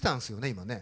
今ね。